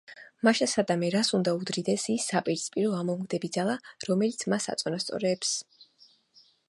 მაშასადამე რას უნდა უდრიდეს ის საპირისპირო, ამომგდები ძალა, რომელიც მას აწონასწორებს?